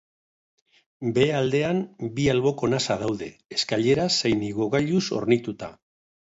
Behealdean bi alboko nasa daude, eskaileraz zein igogailuz hornituta.